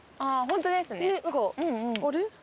あれ？